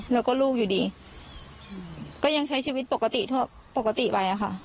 แล้วก็ลูกอยู่ดีก็ยังใช้ชีวิตปกติทั่วปกติไปอะค่ะ